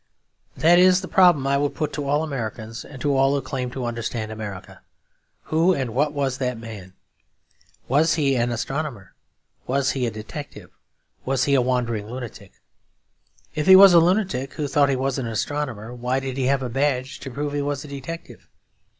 That is the problem I would put to all Americans, and to all who claim to understand America. Who and what was that man? Was he an astronomer? Was he a detective? Was he a wandering lunatic? If he was a lunatic who thought he was an astronomer, why did he have a badge to prove he was a detective?